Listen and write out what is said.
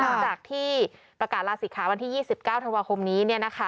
หลังจากที่ประกาศลาศิกขาวันที่๒๙ธันวาคมนี้